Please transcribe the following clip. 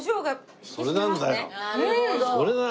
それなんだよ。